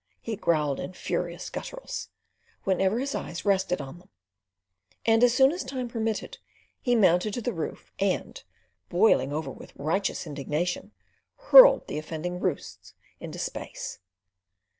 he growled in furious gutturals, whenever his eyes rested on them; and as soon as time permitted he mounted to the roof and, boiling over with righteous indignation, hurled the offending roosts into space.